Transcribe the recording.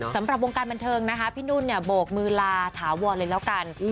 สำหรับวงการบันเทิงนะคะพี่นุ่นเนี่ยโบกมือลาถาวรเลยแล้วกัน